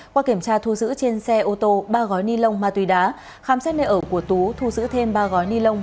qua kiểm tra thu giữ trên xe ô tô ba gói ni lông ma túy đá khám xét nơi ở của tú thu giữ thêm ba gói ni lông